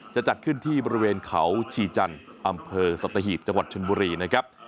จะจัดขึ้นที่บริเวณเขาชีจันทร์อำเภอสัตหีบจังหวัดชนบุรีนะครับ